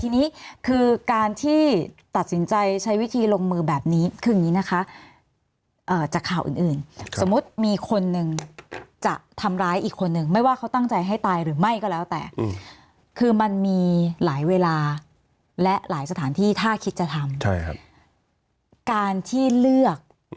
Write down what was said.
มีความรู้สึกว่ามีความรู้สึกว่ามีความรู้สึกว่ามีความรู้สึกว่ามีความรู้สึกว่ามีความรู้สึกว่ามีความรู้สึกว่ามีความรู้สึกว่ามีความรู้สึกว่ามีความรู้สึกว่ามีความรู้สึกว่ามีความรู้สึกว่ามีความรู้สึกว่ามีความรู้สึกว่ามีความรู้สึกว่ามีความรู้สึกว